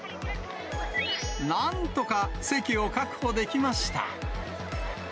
なんとか席を確保できました。